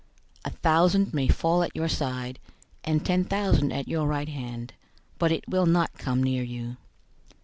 091:007 A thousand may fall at your side, and ten thousand at your right hand; but it will not come near you.